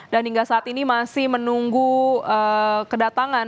dan hingga saat ini masih menunggu kedatangan